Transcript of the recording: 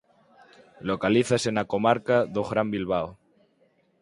Localízase na comarca do Gran Bilbao.